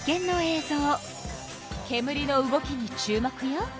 けむりの動きに注目よ。